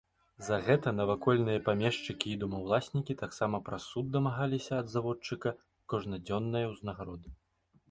За гэта навакольныя памешчыкі і домаўласнікі таксама праз суд дамагаліся ад заводчыка кожнадзённае ўзнагароды.